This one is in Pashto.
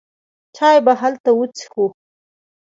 چای به هلته وڅېښو.